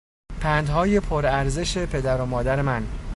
پندهای پرارزش پدر و مادر من